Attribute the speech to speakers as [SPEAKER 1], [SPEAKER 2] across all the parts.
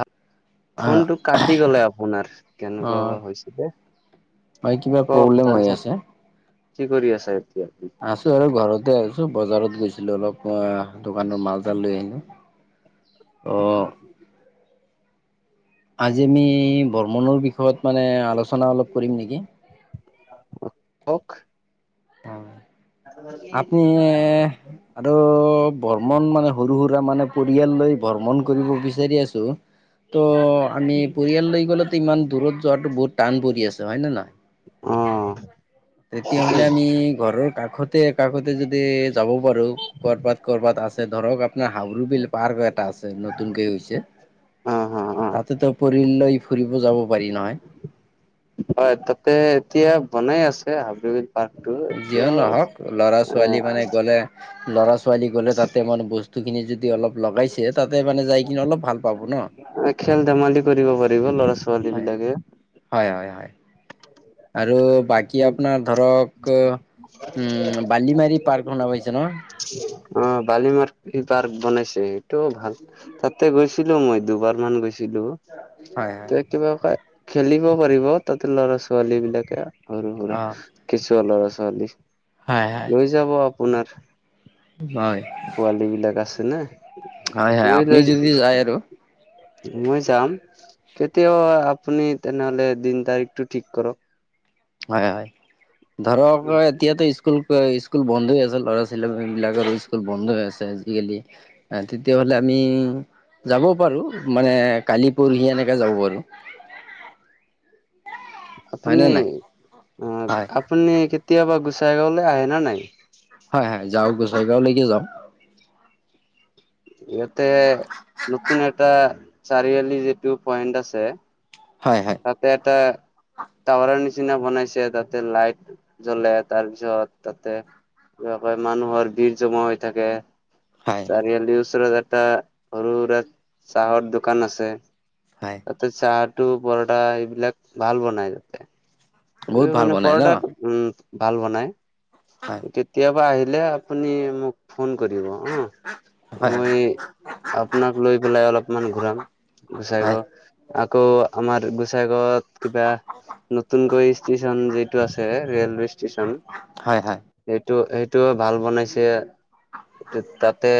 [SPEAKER 1] আ
[SPEAKER 2] আহ
[SPEAKER 1] ফোনটো কাটি গলে আপোনাৰ। কেনেকুৱা বা হৈছিলে?
[SPEAKER 2] মানে কিবা
[SPEAKER 1] কওক
[SPEAKER 2] প্ৰব্লেম হৈ
[SPEAKER 1] তাৰপিছত
[SPEAKER 2] আছে।
[SPEAKER 1] কি কৰি আছে এতিয়া [unintelligible]
[SPEAKER 2] আছো আৰু ঘৰতে আছো। বজাৰত গৈছিলো। অলপ [unintelligible] দোকানৰ মাল-চাল লৈ আহিলো। অ। আজি আমি বৰ্মনৰ বিষয়ত মানে আলোচনা অলপ কৰিম নেকি?
[SPEAKER 1] [unintelligible] কওঁক।
[SPEAKER 2] [unintelligible] আপনি আৰু বৰ্মন মানে সৰু-সুৰা মানে পৰিয়াল লৈ ভ্ৰমণ কৰিব বিচাৰি আছো। ত আমি পৰিয়াল লৈ গ'লেতো ইমান দূৰত যোৱাতো বহুত টান পৰি আছে, হয় নে নহয়?
[SPEAKER 1] অ
[SPEAKER 2] এতিয়া
[SPEAKER 1] ঠিকেই
[SPEAKER 2] আমি ঘৰৰ কাষতে কাষতে যদি যাব পাৰো কৰ'বাত কৰ'বাত আছে ধৰক আপোনাৰ হাওৰু বিল পাৰ্ক এটা আছে, নতুনকে হৈছে।
[SPEAKER 1] অ অ অ
[SPEAKER 2] তাতেতো পৰিয়াল লৈ ফুৰিব যাব পাৰি নহয়?
[SPEAKER 1] হয়, তাতে এতিয়া বনাই আছে হাববি
[SPEAKER 2] যিয়ে নহওঁক ল'ৰা ছোৱালী মানে গ'লে ল'ৰা ছোৱালী গ'লে তাতে মানে বস্তু খিনি যদি অলপ লগাইছে তাতে মানে যাই কিনে অলপ ভাল পাব ন?
[SPEAKER 1] অ, খেল ধেমালি কৰিব পাৰিব ল'ৰা ছোৱালী বিলাকে।
[SPEAKER 2] হয়-হয়। আৰু বাকী আপোনাৰ ধৰক অ, উম, বালিমাৰী পাৰ্ক শুনা পাইছে ন?
[SPEAKER 1] অ', বালিমাৰি পাৰ্ক বনাইছে, সেইটো ভাল। তাতে গৈছিলোঁ মই, দুবাৰ মান গৈছিলোঁ।
[SPEAKER 2] হয় হয়
[SPEAKER 1] ত কিবাকে খেলিব পাৰিব তাতে লৰা ছোৱালী বিলাকে। সৰু সুৰা কেঁচুৱা লৰা ছোৱালী।
[SPEAKER 2] হয়-হয়।
[SPEAKER 1] লৈ যাব আপোনাৰ
[SPEAKER 2] হয়
[SPEAKER 1] পোৱালী বিলাক আছে না?
[SPEAKER 2] হয় হয়
[SPEAKER 1] তুমি
[SPEAKER 2] আপুনি
[SPEAKER 1] লৈ
[SPEAKER 2] যদি যায় আৰু
[SPEAKER 1] মই যাম তেতিয়াও আপুনি তেনেহলে দিন তাৰিখটো ঠিক কৰক।
[SPEAKER 2] হয়-হয়। ধৰক এতিয়াতো স্কোঁ স্কুল-স্কুল বন্ধ হৈ আছে, ল'ৰা ছোৱালী বিলাকৰো স্কুল বন্ধ হৈ আছে আজিকালি তেতিয়াহ'লে আমি যাব পাৰোঁ মানে কালি পৰহি এনেকে যাব পাৰোঁ। হয়
[SPEAKER 1] আপুনি
[SPEAKER 2] নে নাই?
[SPEAKER 1] অ,
[SPEAKER 2] হয়
[SPEAKER 1] আপুনি কেতিয়াবা গুচাই গাঁওলৈ আহে নে নাই?
[SPEAKER 2] হয়-হয় যাওঁ, গুচাই গাঁওলৈকে যাওঁ।
[SPEAKER 1] ইয়াতে নতুন এটা চাৰিআলি যিটো পইণ্ট আছে
[SPEAKER 2] হয়-হয়।
[SPEAKER 1] তাতে এটা টাৱাৰৰ নিচিনা বনাইছে তাতে লাইট জ্বলে তাৰ পিছত তাতে [unintelligible] মানুহৰ ভিৰ জমা হৈ থাকে।
[SPEAKER 2] হয়
[SPEAKER 1] চাৰিআলিৰ ওচৰত এটা সৰু সুৰা চাহৰ দোকান আছে।
[SPEAKER 2] হয়।
[SPEAKER 1] তাতে চাহ টো পৰঠা এইবিলাক ভাল বনাই তাতে।
[SPEAKER 2] বহুত
[SPEAKER 1] ত
[SPEAKER 2] ভাল
[SPEAKER 1] মানে
[SPEAKER 2] বনাই ন
[SPEAKER 1] পৰাত উম, ভাল বনাই।
[SPEAKER 2] হয়
[SPEAKER 1] কেতিয়াবা আহিলে আপুনি মোক ফোন কৰিব অ'?
[SPEAKER 2] হয়
[SPEAKER 1] মই আপোনাক লৈ পেলাই অলপমান ঘূৰাম গুচাই
[SPEAKER 2] হয়।
[SPEAKER 1] গাওঁ। আকৌ আমাৰ গো গুচাই গাওঁত কিবা নতুনকৈ ষ্টেচন যিটো আছে ৰেলৱেষ্ট [unintelligible]
[SPEAKER 2] হয় হয়
[SPEAKER 1] সেইটো-সেইটো ভাল বনাইছে। তাতে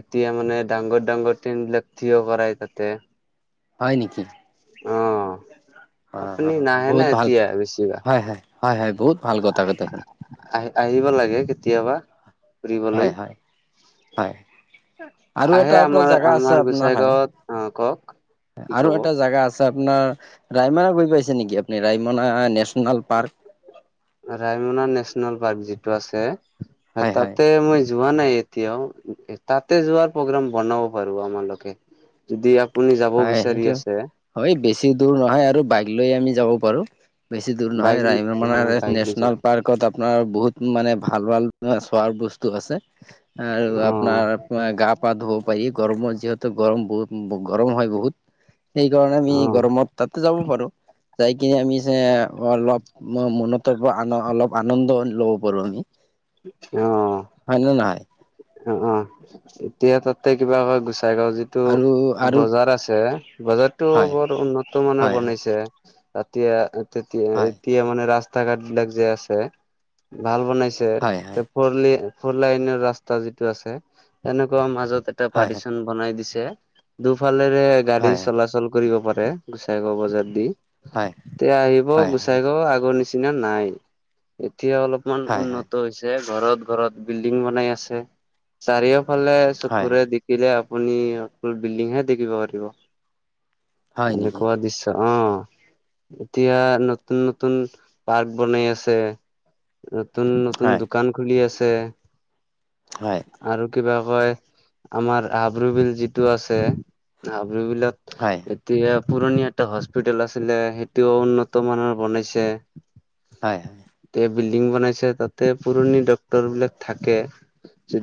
[SPEAKER 1] এতিয়া মানে ডাঙৰ-ডাঙৰ ট্ৰেইন বিলাক থিয় কৰাই তাতে।
[SPEAKER 2] হয় নেকি?
[SPEAKER 1] অ', আপুনি নাহে না এতিয়া?
[SPEAKER 2] হয়-হয়, হয়-হয় বহুত ভাল কথা কথা
[SPEAKER 1] আহি-আহিব লাগে কেতিয়াবা
[SPEAKER 2] হয়
[SPEAKER 1] ফুৰিবলৈ।
[SPEAKER 2] হয় হয়। আৰু
[SPEAKER 1] আহে
[SPEAKER 2] এটা আপোনাৰ
[SPEAKER 1] আমাৰ
[SPEAKER 2] জেগা আছে
[SPEAKER 1] আমাৰ
[SPEAKER 2] আপোনাৰ হয়,
[SPEAKER 1] গোচাইগাঁৱত অ কওক কি
[SPEAKER 2] আৰু
[SPEAKER 1] কব
[SPEAKER 2] এটা জেগা আছে। আচ্ছা আপোনাৰ ৰায়মনা গৈ পাইছে নেকি আপুনি Raimona national park?
[SPEAKER 1] Raimona national park যিটো আছে। হয়, তাতে মই যোৱা নাই এতিয়াও। তাতে যোৱাৰ প্ৰগ্ৰাম বনাব পাৰোঁ আমালোকে। যদি আপুনি যাব
[SPEAKER 2] হয়
[SPEAKER 1] বিচাৰি
[SPEAKER 2] সেইটো
[SPEAKER 1] আছে।
[SPEAKER 2] হয়, বেছি দূৰ নহয় আৰু বাইক লৈয়ে আমি যাব পাৰোঁ। বেছি দূৰ নহয়
[SPEAKER 1] বাইক অ
[SPEAKER 2] ৰামানৰে
[SPEAKER 1] বাইক লৈ যাম
[SPEAKER 2] নেচনেল পাৰ্ক আপোনাৰ বহুত মানে ভাল-ভাল চোৱাৰ বস্তু আছে। আৰু
[SPEAKER 1] অ
[SPEAKER 2] আপোনাৰ গা পা ধুব পাৰি গৰমত যিহেতু গৰম বহুত গৰম হয় বহুত। সেইকাৰণে আমি
[SPEAKER 1] অ
[SPEAKER 2] গৰমত তাতে যাব পাৰোঁ। চাই কিনে আমি চ অলপ মনত আ অলপ আনন্দ লব পাৰোঁ আমি।
[SPEAKER 1] অ'।
[SPEAKER 2] হয় নে নহয়
[SPEAKER 1] অ', অ', এতিয়া তাতে কিবা হয় গোচাই গাওঁ যি এইটো
[SPEAKER 2] আৰু আৰু
[SPEAKER 1] বজাৰ আছে বজাৰতটো
[SPEAKER 2] হয়
[SPEAKER 1] বৰ উন্নত মানৰ
[SPEAKER 2] হয় হয়
[SPEAKER 1] বনাইছে। ৰাতিয়া [unintelligible]
[SPEAKER 2] হয়
[SPEAKER 1] এতিয়া মানে ৰাস্তা ঘাট বিলাক যে আছে, ভাল বনাইছে।
[SPEAKER 2] হয়-হয়।
[SPEAKER 1] [unintelligible] ফৰ লাইনৰ ৰাস্তা যিটো আছে, তেনেকুৱা মাজত এটা
[SPEAKER 2] হয় হয়
[SPEAKER 1] পাৰিচন বনাই দিছে, দুফালেৰে গাড়ী
[SPEAKER 2] হয়
[SPEAKER 1] চলাচল কৰিব পাৰে গুচাই গাওঁ বজাৰ দি।
[SPEAKER 2] হয়
[SPEAKER 1] এতিয়া আহিব
[SPEAKER 2] হয়
[SPEAKER 1] গুচাই গাওঁ আগৰ নিচিনা নাই। এতিয়া অলপমান
[SPEAKER 2] হয়
[SPEAKER 1] উন্নত [unintelligible] ঘৰত-ঘৰত বিল্ডিং বনাই আছে। চাৰিওফালে
[SPEAKER 2] হয়
[SPEAKER 1] চকুৰে [unintelligible] আপুনি অকল বিল্ডিং হে দেখিব পাৰিব।
[SPEAKER 2] হয় নেকি
[SPEAKER 1] এনেকুৱা দৃশ্য অ'। এতিয়া নতুন-নতুন পাৰ্ক বনাই আছে। নতুন নতুন
[SPEAKER 2] হয়
[SPEAKER 1] দোকান খুলি আছে।
[SPEAKER 2] হয়।
[SPEAKER 1] আৰু কিবা কয়? আমাৰ হাব্ৰ বিল যিটো আছে, হাব্ৰ বিলত
[SPEAKER 2] হয়।
[SPEAKER 1] এতিয়া পুৰণীয়া এটা হস্পিতেল আছিলে সেইটোও উন্নত মানৰ বনাইছে।
[SPEAKER 2] হয়-হয়।
[SPEAKER 1] এতিয়া বিল্ডিং বনাইছে তাতে পুৰণি ডক্তৰ বিলাক থাকে।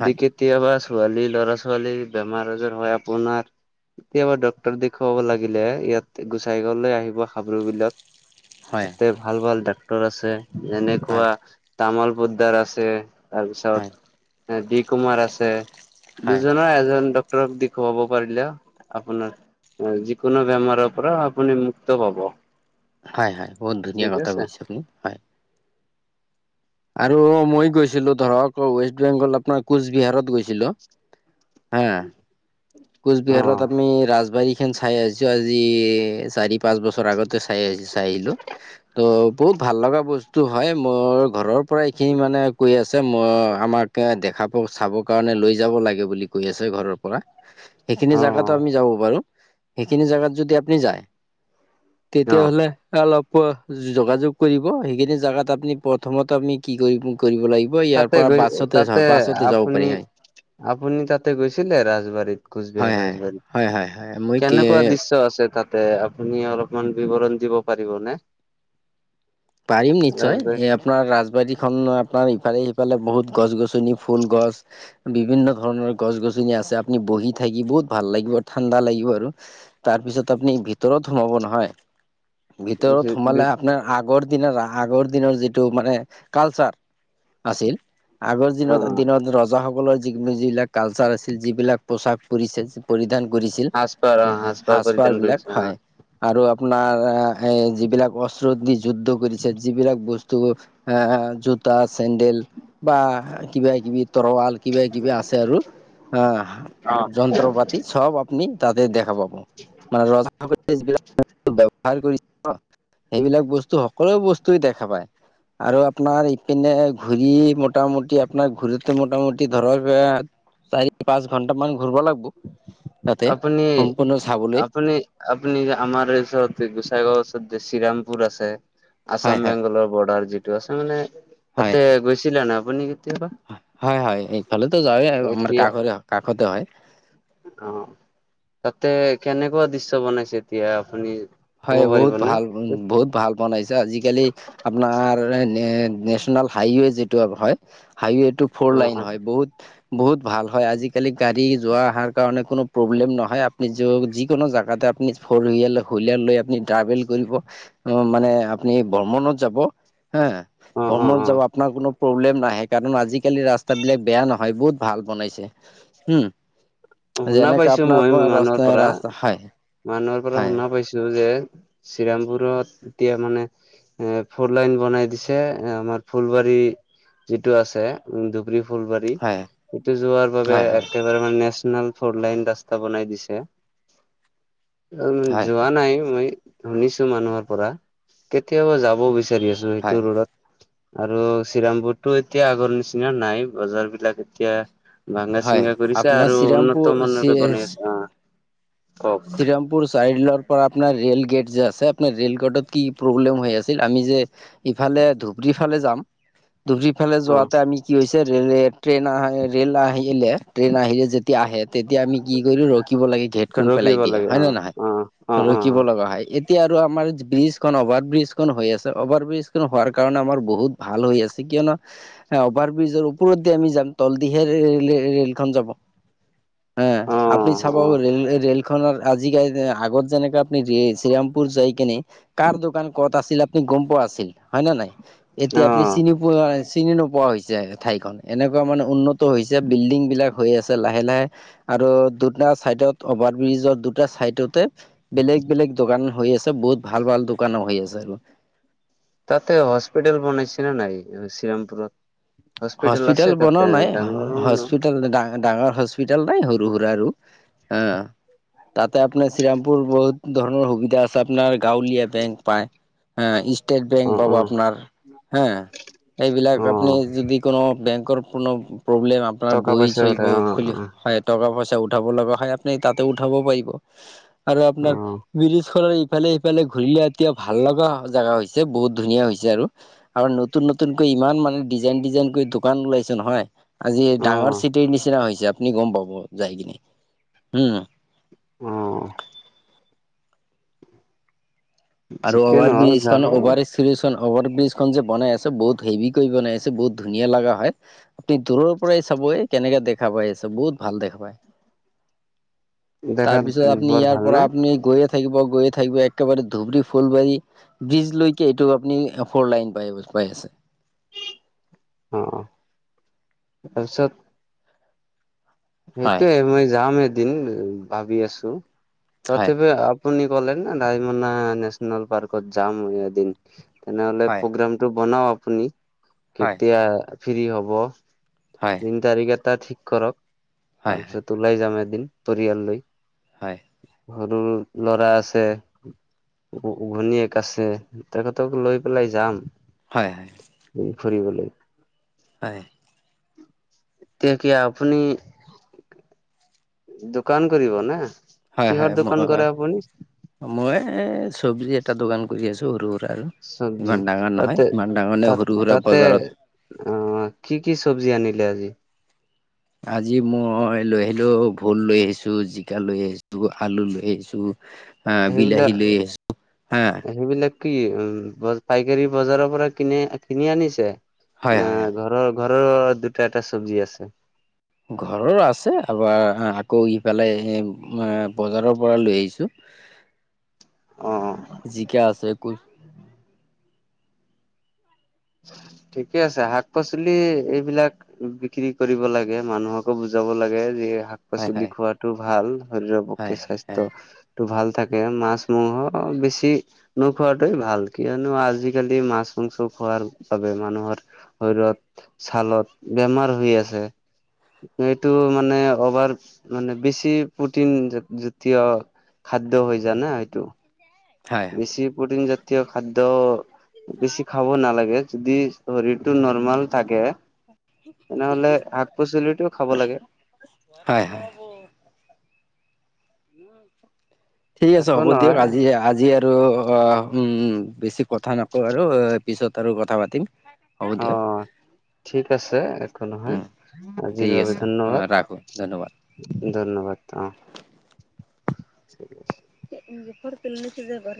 [SPEAKER 2] হয়
[SPEAKER 1] কেতিয়াবা ছোৱালী ল'ৰা ছোৱালী বেমাৰ আজাৰ হয় আপোনাৰ কেতিয়াবা ডক্তৰ দেখুৱাব লাগিলে ইয়াত গোচাই গাৱঁলৈ আহিব হাবৰু বিলত।
[SPEAKER 2] হয়
[SPEAKER 1] তাতে ভাল-ভাল ডাক্তৰ আছে, যেনেকুৱা
[SPEAKER 2] হয়
[SPEAKER 1] তামল পদদাৰ আছে। তাৰপিছত ডি কুমাৰ আছে।
[SPEAKER 2] হয়
[SPEAKER 1] দুজনৰ এজন দি খুৱাব পাৰিলে আপোনাৰ যিকোনো বেমাৰৰ পৰা আপুনি মুক্ত পাব।
[SPEAKER 2] হয়-হয় বহুত ধুনীয়া
[SPEAKER 1] ঠিক
[SPEAKER 2] কথা
[SPEAKER 1] আছে
[SPEAKER 2] কৈছে আপুনি, হয়। আৰু মই গৈছিলোঁ ধৰক ৱেষ্ট বেংগল আপোনাৰ কোচবিহাৰত গৈছিলোঁ। হা।
[SPEAKER 1] অ
[SPEAKER 2] কোচবিহাৰত আমি ৰাজবাৰী খন চাই আহিছোঁ আজি চাৰি পাঁচ বছৰ আগতে চাই আহিছোঁ। চাই আহিলোঁ, ত বহুত ভাল লগা বস্তু হয় মোৰ ঘৰৰ পৰা এইখিনি মানে কৈ আছে মই আমাক এ দেখাব চাব কাৰণে লৈ যাব লাগে বুলি কৈ আছে ঘৰৰ পৰা। সেইখিনি
[SPEAKER 1] অ
[SPEAKER 2] জাগাতো আমি যাব পাৰোঁ, সেইখিনি জাগাত যদি আপুনি যায়
[SPEAKER 1] অ
[SPEAKER 2] তেতিয়া হ'লে অলপ যোগাযোগ কৰিব, সেইখিনি জেগাত আপুনি প্ৰথমত আপুনি কি লাগিব ইয়াৰ
[SPEAKER 1] তাতে
[SPEAKER 2] পৰা
[SPEAKER 1] গৈ
[SPEAKER 2] বাছতে যাওঁ,
[SPEAKER 1] তাতে
[SPEAKER 2] বাছতে যাব পাৰি
[SPEAKER 1] আপুনি
[SPEAKER 2] হয়।
[SPEAKER 1] আপুনি তাতে গৈছিলে ৰাজবাৰীত?
[SPEAKER 2] হয়
[SPEAKER 1] কোচবিহাৰ
[SPEAKER 2] হয়
[SPEAKER 1] ৰাজবাৰীত,
[SPEAKER 2] হয় হয় হয় মই কে
[SPEAKER 1] কেনেকুৱা দৃশ্য আছে তাত? তে আপুনি অলপমান বিৱৰণ দিব পাৰিবনে?
[SPEAKER 2] পাৰিম নিশ্চয়,
[SPEAKER 1] ৰাজবাৰী
[SPEAKER 2] এ আপোনাৰ ৰাজবাৰীখন আপোনাৰ ইফালে সিফালে বহুত গছ -গছনি, ফুল, গছ বিভিন্ন ধৰণৰ গছ- গছনি আছে, আপুনি বহি থাকি বহুত ভাল লাগিব ঠাণ্ডা লাগিব আৰু। তাৰপিছত আপুনি ভিতৰত সোমাব নহয়, ভিতৰত সোমালে আপোনাৰ আগৰ দিনৰ আ আগৰ দিনৰ যিটো মানে কালচাৰ, আছিল। আগৰ
[SPEAKER 1] অ
[SPEAKER 2] দিনত- দিনত ৰজাসকলৰ যি যিবিলাক কালচাৰ আছিল, যিবিলাক পোচাক পৰি [unintelligible] পৰিধান কৰিছিল,
[SPEAKER 1] সাজপাৰ অ সাজপাৰ
[SPEAKER 2] সাজ- পাৰ
[SPEAKER 1] পৰিধান
[SPEAKER 2] বিলাক,
[SPEAKER 1] কৰিছে অ
[SPEAKER 2] হয়। আৰু আপোনাৰ এ এই যিবিলাক অস্ত্ৰ দি যুদ্ধ কৰিছে, যিবিলাক বস্তু আ জোতা, চেণ্ডেল বা কিবা- কিবি তৰোৱাল কিবা-কিবি আছে আৰু অহ,
[SPEAKER 1] অ
[SPEAKER 2] যন্ত্ৰ পাতি, চব আপুনি তাতে দেখা পাব। মানে [unintelligible] সকলে যিবিলাক [unintelligible] ব্যৱহাৰ কৰিছে ন, সেইবিলাক বস্তু [unintelligible] বস্তুয়ে দেখা পায়। আৰু আপোনাৰ ইপিনে ঘূৰি মোটামুটি আপোনাৰ ঘূৰোতে মোটামুটি ধৰক এ চাৰি পাঁচ ঘন্টা মান ঘূৰিব লাগব, তাতে,
[SPEAKER 1] আপুনি
[SPEAKER 2] সম্পূৰ্ণ চাবলেই।
[SPEAKER 1] আপুনি আপুনি যে আমাৰ ওচৰত যে গোচাইগাঁও ওচৰত যে শ্ৰীৰামপুৰ আছে।
[SPEAKER 2] হয়
[SPEAKER 1] আচাম
[SPEAKER 2] হয়
[SPEAKER 1] বেংগলৰ ব'ৰ্ডাৰ যিটো আছে মানে,
[SPEAKER 2] হয়।
[SPEAKER 1] তাতে গৈছিলে নে আপুনি কেতিয়াবা?
[SPEAKER 2] হয়- হয়, এইফালেতো যাওঁৱে আৰু আমাৰ
[SPEAKER 1] এতিয়া
[SPEAKER 2] কাষৰে হয়, কাষতে হয়।
[SPEAKER 1] অ', তাতে কেনেকুৱা দৃশ্য বনাইছে এতিয়া আপুনি ক'ব
[SPEAKER 2] হয়,
[SPEAKER 1] পাৰিব
[SPEAKER 2] বহুত
[SPEAKER 1] নে?
[SPEAKER 2] ভাল, বহুত ভাল বনাইছে আজিকালি আপোনাৰ এ মানে নেচনেল হাইৱে যিটো হয়, হাইৱেটো ফ'ৰ
[SPEAKER 1] অ
[SPEAKER 2] লাইন হয়, বহুত বহুত ভাল হয়, আজিকালি গাড়ী যোৱা আহাৰ কাৰণে কোনো প্ৰব্লেম নহয়, আ [unintelligible] যিকোনো জাগাতে আপুনি ফ'ৰ [unintelligible] [unintelligible] লৈ আপুনি ট্ৰাভেল কৰিব, মানে আপুনি ব্ৰহমনত যাব। হা,
[SPEAKER 1] অ অ অ
[SPEAKER 2] ভ্ৰমণ যাব আপোনাৰ কোনো প্ৰব্লেম নাই। কাৰণ আজিকালি ৰাস্তাবিলাক বেয়া নহয়, বহুত ভাল বনাইছে, হম।
[SPEAKER 1] অ', শুনা পাইছোঁ মই মানুহৰ
[SPEAKER 2] ৰাস্তা
[SPEAKER 1] পৰা,
[SPEAKER 2] ৰাস্তা হয়
[SPEAKER 1] মানুহৰ পৰা
[SPEAKER 2] হয়
[SPEAKER 1] শুনা পাইছোঁ যে শ্ৰীৰামপুৰত এতিয়া মানে এ ফ'ৰ লাইন বনাই দিছে, আমাৰ ফুলবাৰী যিটো আছে উম, ধুবৰী ফুলবাৰী,
[SPEAKER 2] হয়
[SPEAKER 1] সেইটো যোৱাৰ বাবে
[SPEAKER 2] হয় হয়
[SPEAKER 1] একেবাৰে মানে ইমান ফ'ৰ লাইন ৰাস্তা বনাই দিছে, উম,
[SPEAKER 2] হয়
[SPEAKER 1] যোৱা
[SPEAKER 2] হয়
[SPEAKER 1] নাই মই শুনিছো মানুহৰ পৰা, কেতিয়াবা যাব বিচাৰি আছো
[SPEAKER 2] হয়
[SPEAKER 1] সেইটো ৰোডত। আৰু শিৰামপুৰতো এতিয়া আগৰ নিচিনা নাই, বজাৰবিলাক এতিয়া ভাঙা
[SPEAKER 2] হয়
[SPEAKER 1] চিংগা কৰিছা
[SPEAKER 2] আপোনাৰ
[SPEAKER 1] আৰু
[SPEAKER 2] শ্ৰীৰামপুৰ
[SPEAKER 1] উন্নতমান ৰূপে বনাই আছা।
[SPEAKER 2] শ্ৰীৰাম পুৰ চাইলৰ পৰা আপোনাৰ ৰে'ল গেট যে আছে, আপোনাৰ ৰে'ল গেটত কি প্ৰব্লেম হৈ আছিল, আমি যে ইফালে ধুবৰী ফালে যাম, ধুবৰী ফালে
[SPEAKER 1] অ
[SPEAKER 2] যোৱাতে আমি কি হৈছে ৰে'ল ট্ৰেইনৰ এ ৰে'ল আহিলে ট্ৰেইন আহিলে যেতিয়া আহে, তেতিয়া আমি কি কৰো ৰখিব লাগে গেটখন পেলাই
[SPEAKER 1] ৰখিব
[SPEAKER 2] দিয়ে,
[SPEAKER 1] লাগে
[SPEAKER 2] হয়
[SPEAKER 1] অ
[SPEAKER 2] নে নহয়।
[SPEAKER 1] অ অ
[SPEAKER 2] ৰখিব
[SPEAKER 1] অ
[SPEAKER 2] লগা হয়, এতিয়া আৰু আমাৰ ব্ৰিজখন অভাৰ ব্ৰিজখন হৈ আছে, অভাৰ ব্ৰিজ হোৱাৰ কাৰণে আমাৰ বহুত ভাল হৈ আছে, কিয়নো অভাৰ ব্ৰিজৰ ওপৰত দি আমি যাম, তলদিহে ৰে- ৰে-ৰে'লখন যাব। হা,
[SPEAKER 1] অ
[SPEAKER 2] আপনি চাব
[SPEAKER 1] অ
[SPEAKER 2] ৰে'ল ৰে ৰে'ল খনৰ আজি [unintelligible] আগত যেনেকে আপুনি যি শিৰামপুৰ যায় কিনে কাৰ দোকান ক'ত আছিল আপুনি গম পোৱা আছিল, হয় নে নাই, এতিয়া
[SPEAKER 1] অ
[SPEAKER 2] আপুনি চি চিনি পোৱা চিনি নোপোৱা হৈছে ঠাইখন। এনেকুৱা মানে উন্নত হৈছে বিল্ডিংবিলাক হৈ আছে। লাহে লাহে আৰু দুটা চাইডত অভাৰ ব্ৰিজৰ দুটা চাইডতে বেলেগ বেলেগ দোকান হৈ আছে, বহুত ভাল ভাল দোকান হৈ আছে আৰু।
[SPEAKER 1] তাতে হস্পিটেল বনাইছে নে নাই শ্ৰীৰামপুৰত? হস্পিটেল আছে তাতে ডাঙৰ [unintelligible]
[SPEAKER 2] [unintelligible] ডা ডাঙৰ হস্পিটাল নাই। সৰু-সুৰা আৰু আ। তাতে আপোনাৰ শ্ৰীমপুৰ বহুত ধৰণৰ সুবিধা আছে। আপোনাৰ গাঁৱলীয়া বেংক পায়। হা ইছ ষ্টেট বেংক
[SPEAKER 1] অ
[SPEAKER 2] পাব
[SPEAKER 1] অ
[SPEAKER 2] আপনাৰ হা। সেইবিলাক
[SPEAKER 1] অ
[SPEAKER 2] আপনি যদি কোনো বেংকৰ কোনো প্ৰব্লেম আপনাৰ
[SPEAKER 1] টকা
[SPEAKER 2] বৈ
[SPEAKER 1] পইচা
[SPEAKER 2] চৈ
[SPEAKER 1] উঠাই
[SPEAKER 2] ব
[SPEAKER 1] অ
[SPEAKER 2] খুলি হয় টকা-পইচা উঠাব লগা হয়, আপুনি তাতে উঠাব পাৰিব আৰু
[SPEAKER 1] অ
[SPEAKER 2] আপনাৰ ব্ৰীজখনৰ ইফালে-সিফালে ঘূৰিলে এতিয়া ভাল লগা জেগা হৈছে। বহুত ধুনীয়া হৈছে আৰু। আৰু নতুন নতুনকৈ ইমান মানে ডিজাইন ডিজাইন দোকান ওলাইছে নহয়। আজি
[SPEAKER 1] অ
[SPEAKER 2] ডাঙৰ চিটিৰ নিচিনা হৈছে। আ আপুনি গম পাব যাই কিনে। হুম।
[SPEAKER 1] অ।
[SPEAKER 2] আৰু
[SPEAKER 1] যিকে
[SPEAKER 2] অভাৰ
[SPEAKER 1] নহওক যাব
[SPEAKER 2] ব্ৰিজখনো অভাৰিছ ব্ৰিজখন অভাৰ ব্ৰিজখন যে বনাই আছে, বহুত হেভিকৈ বনাই আছে। বহুত ধুনীয়া লাগা হয়। আপুনি দূৰৰ পৰাই চাব এ কেনেকা দেখা পায় আছে, বহুত ভাল দেখা পায়।
[SPEAKER 1] দেখাত
[SPEAKER 2] তাৰপিছত আপনি
[SPEAKER 1] বৰ
[SPEAKER 2] ইয়াৰ
[SPEAKER 1] ভাল
[SPEAKER 2] পৰা
[SPEAKER 1] নে
[SPEAKER 2] আপনি গৈয়ে থাকিব, গৈয়ে থাকিব একেবাৰে ধুবৰী ফুলবাৰী ব্ৰিজলৈকে এইটো আপনি ফৰ লাইন পাই পাই আছে।
[SPEAKER 1] অ, তাৰপিছত
[SPEAKER 2] হয়
[SPEAKER 1] সেইটোৱে মই যাম এদিন ভাবি আছো।
[SPEAKER 2] হয়
[SPEAKER 1] তথাপি আপ আপুনি ক'লে না, ৰাইমনা নেচনেল পাৰ্কত যাম মইও এদিন। তেনেহ'লে
[SPEAKER 2] হয়
[SPEAKER 1] প্ৰগ্ৰামটো বনাও আপুনি।
[SPEAKER 2] হয়
[SPEAKER 1] কেতিয়া ফ্ৰী হ'ব।
[SPEAKER 2] হয়।
[SPEAKER 1] দিন তাৰিখ এটা ঠিক কৰক।
[SPEAKER 2] হয় হয়
[SPEAKER 1] তাৰপিছত ওলাই যাম এদিন পৰিয়াল লৈ।
[SPEAKER 2] হয়।
[SPEAKER 1] সৰুৰ ল'ৰা আছে উ ঘনীয়েক আছে। তেখেতক লৈ পেলাই যাম।
[SPEAKER 2] হয়, হয়।
[SPEAKER 1] এই ফুৰিবলৈ।
[SPEAKER 2] হয়।
[SPEAKER 1] তেতিয়া আপুনি দোকান কৰিব না?
[SPEAKER 2] হয়
[SPEAKER 1] কিহৰ দোকান
[SPEAKER 2] হয় হয়
[SPEAKER 1] কৰে আপুনি?
[SPEAKER 2] মই এ চব্জি এটা দোকান কৰি আছো সৰু-সুৰা আৰু।
[SPEAKER 1] চব্জি
[SPEAKER 2] ইমান ডাঙাৰ নহয়।
[SPEAKER 1] তাতে
[SPEAKER 2] ইমান ডাঙৰ নে
[SPEAKER 1] তাত
[SPEAKER 2] সৰু-সুৰা
[SPEAKER 1] তাতে
[SPEAKER 2] বজাৰত
[SPEAKER 1] অ, কি কি চব্জি আনিলে আজি?
[SPEAKER 2] আজি মই লৈ আহিলো ভোল লৈ আহিছো, জিকা লৈ আহিছো, আলু লৈ আহিছো। হা বিলাহী
[SPEAKER 1] সেইবিলাক
[SPEAKER 2] লৈ আহিছো, হা।
[SPEAKER 1] সেইবিলাক কি উ ব পাইকাৰী বজাৰৰ পৰা কি কিনি কিনি আনিছে
[SPEAKER 2] হয়
[SPEAKER 1] না
[SPEAKER 2] হয় হয়
[SPEAKER 1] ঘৰৰ? ঘৰৰ দুটা, এটা চব্জি আছে।
[SPEAKER 2] ঘৰৰ আছে, আবাৰ আকৌ ইফালে হেই আ বজাৰৰ পৰা লৈ আহিছোঁ।
[SPEAKER 1] অ
[SPEAKER 2] জিকা আছে, কু
[SPEAKER 1] ঠিকে আছে। শাক-পাচলি এইবিলাক বিক্ৰী কৰিব লাগে। মানুহকো বুজাব লাগে যে শাক
[SPEAKER 2] হয়
[SPEAKER 1] পাচলি
[SPEAKER 2] হয়
[SPEAKER 1] খোৱাটো ভাল শৰীৰৰ
[SPEAKER 2] হয়
[SPEAKER 1] পক্ষে স্বাচ
[SPEAKER 2] হয়
[SPEAKER 1] ত টো ভাল থাকে। মাছ-মঙহো বেছি নোখোৱাটোৱে ভাল কিয়নো আজি-কালি মাছ-মাংচ' খোৱাৰ চবে মানুহৰ শৰীৰত, ছালত বেমাৰ হৈ আছে। এইটো মানে অভাৰ মানে বেছি প্ৰটিন জা-জাতীয় খাদ্য হৈ যা না এইটো।
[SPEAKER 2] হয় হয়
[SPEAKER 1] বেছি প্ৰটিন জাতীয় খাদ্য বেছি খাব নালাগে। যদি শৰীৰটো নৰ্মেল থাকে তেনেহ'লে শাক-পাচলিটো খাব লাগে।
[SPEAKER 2] হয়, হয়। ঠিক আছে,
[SPEAKER 1] একো
[SPEAKER 2] হ'ব দিয়ক।
[SPEAKER 1] নহয়
[SPEAKER 2] আজি-আজি আৰু অ উম বেছি কথা নকওঁ আৰু পিছত আৰু কথা পাতিম। হ'ব
[SPEAKER 1] অ
[SPEAKER 2] দিয়ক।
[SPEAKER 1] ঠিক আছে, একো নহয়।
[SPEAKER 2] উম
[SPEAKER 1] আজি
[SPEAKER 2] ঠিক আছে
[SPEAKER 1] [unintelligible]
[SPEAKER 2] অ
[SPEAKER 1] ধন্যবাদ।
[SPEAKER 2] ৰাখো ধন্যবাদ
[SPEAKER 1] ধন্যবাদ, অ। [unintelligible]
[SPEAKER 2] [unintelligible]